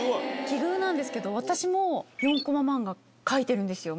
奇遇なんですけど私も４コマ漫画描いてるんですよ